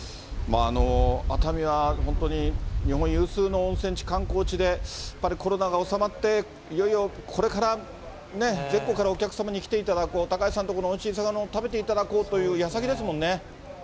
熱海は本当に、日本有数の温泉地、観光地で、やっぱりコロナが収まって、いよいよこれからね、全国からお客様に来ていただこう、高橋さんところのおいしい魚を食べていただこうというやさきです